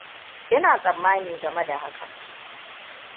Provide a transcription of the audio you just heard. Ina tsammani game da hakan.